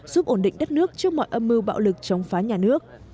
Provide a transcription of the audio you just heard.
giúp ổn định đất nước trước mọi âm mưu bạo lực chống phá nhà nước